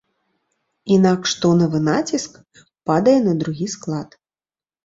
Інакш тонавы націск падае на другі склад.